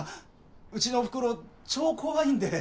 うちのお袋超怖いんで。